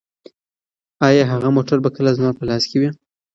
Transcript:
ایا هغه موټر به کله زما په لاس کې وي؟